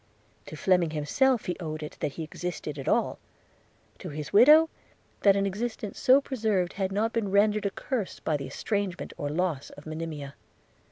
To Fleming himself he owed it, that he existed at all; – to his widow, that an existence so preserved, had not been rendered a curse by the estrangement or loss of Monimia.